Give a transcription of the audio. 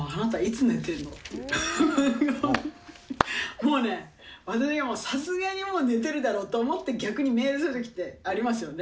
もうね、さすがにもう寝てるだろうと思って、逆にメールするときって、ありますよね。